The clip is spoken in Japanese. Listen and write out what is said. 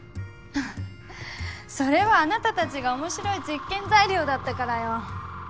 フッそれはあなたたちが面白い実験材料だったからよ。